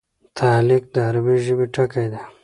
تعلیق د عربي ژبي ټکی دﺉ.